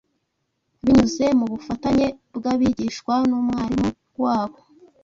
binyuze mu bufatanye bw’abigishwa n’umwarimu wabo